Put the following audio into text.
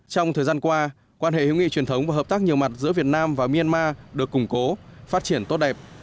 trong thời gian qua quan hệ hữu nghị truyền thống và hợp tác nhiều mặt giữa việt nam và myanmar được củng cố phát triển tốt đẹp